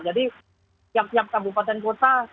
jadi tiap tiap kabupaten kota